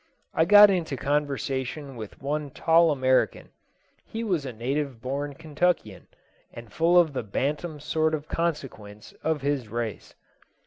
I got into conversation with one tall American; he was a native born Kentuckian, and full of the bantam sort of consequence of his race.